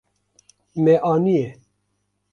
Me aniye.